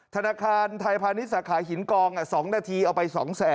ธนาคารไทยพาณิชยสาขาหินกอง๒นาทีเอาไป๒๐๐๐